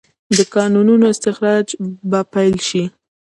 د کانونو استخراج به پیل شي؟